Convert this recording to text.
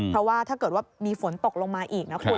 เพราะว่าถ้าเกิดว่ามีฝนตกลงมาอีกนะคุณ